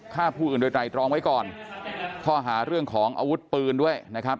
ฆ่าผู้อื่นโดยไตรตรองไว้ก่อนข้อหาเรื่องของอาวุธปืนด้วยนะครับ